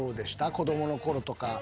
子供のころとか。